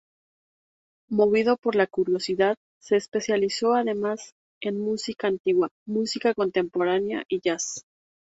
Movido por la curiosidad, se especializó además en música antigua, música contemporánea y jazz.